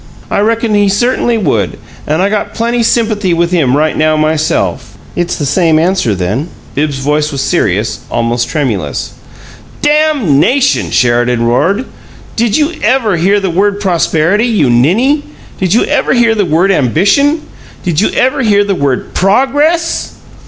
"I reckon he certainly would! And I got plenty sympathy with him right now, myself!" "It's the same answer, then?" Bibbs's voice was serious, almost tremulous. "Damnation!" Sheridan roared. "Did you ever hear the word Prosperity, you ninny? Did you ever hear the word Ambition? Did you ever hear the word PROGRESS?"